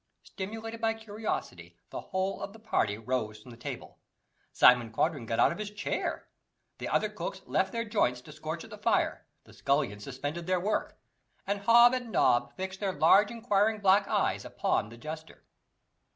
Stimulated by curiosity, the whole of the party rose from the table; Simon Quanden got out of his chair; the other cooks left their joints to scorch at the fire; the scullions suspended their work; and Hob and Nob fixed their large inquiring black eyes upon the jester.